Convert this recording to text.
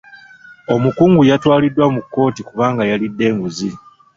Omukungu yatwaliddwa mu kkooti kubanga yalidde enguzi.